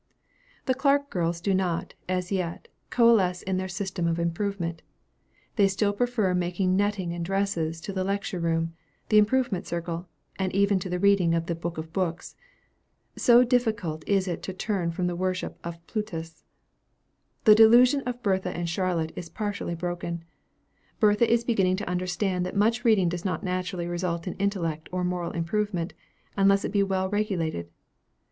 The Clark girls do not, as yet, coalesce in their system of improvement. They still prefer making netting and dresses, to the lecture room, the improvement circle, and even to the reading of the "Book of books." So difficult is it to turn from the worship of Plutus! The delusion of Bertha and Charlotte is partially broken. Bertha is beginning to understand that much reading does not naturally result in intellectual or moral improvement, unless it be well regulated.